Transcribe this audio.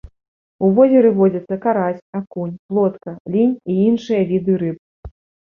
У возеры водзяцца карась, акунь, плотка, лінь і іншыя віды рыб.